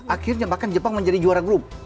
akhirnya bahkan jepang menjadi juara grup